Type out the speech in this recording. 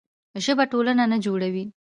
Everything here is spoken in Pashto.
ژبه ټولنه نه جوړوي.